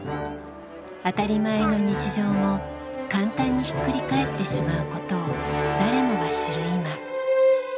「当たり前の日常」も簡単にひっくり返ってしまうことを誰もが知る今。